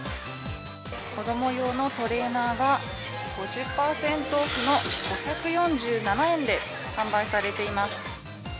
子供用のトレーナーが５０％オフの５４７円で販売されています。